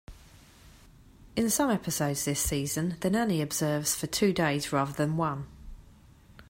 In some episodes this season, the nanny observes for two days rather than one.